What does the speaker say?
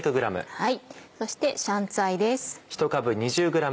そして香菜です。